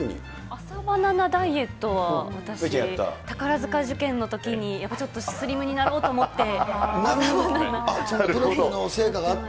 朝バナナダイエットは、私、宝塚受験のときに、やっぱちょっとスリムになろうと思って。